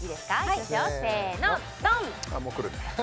いきますよせーのドン！